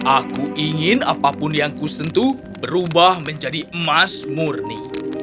aku ingin apapun yang kusentuh berubah menjadi emas murni